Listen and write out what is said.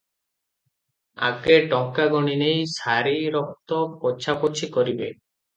ଆଗେ ଟଙ୍କା ଗଣିନେଇ ସାରି ରକ୍ତ ପୋଛାପୋଛି କରିବେ ।